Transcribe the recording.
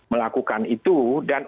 melakukan itu dan